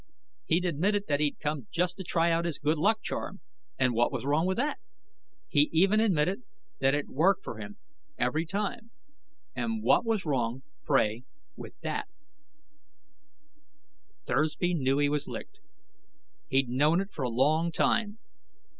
He admitted that he'd come just to try out his good luck charm and what was wrong with that? He even admitted that it worked for him every time And what was wrong, pray, with that? Thursby knew he was licked. He'd known it for a long time.